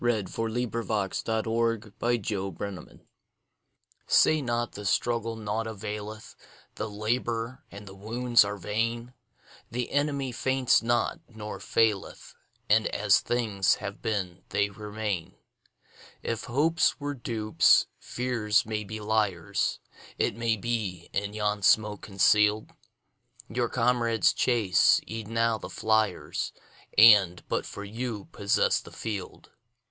Say Not the Struggle Naught Availeth SAY not the struggle naught availeth, The labour and the wounds are vain, The enemy faints not, nor faileth, And as things have been they remain. If hopes were dupes, fears may be liars; It may be, in yon smoke conceal'd, Your comrades chase e'en now the fliers, And, but for you, possess the field.